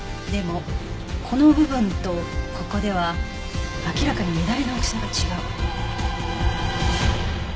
でもこの部分とここでは明らかに乱れの大きさが違う。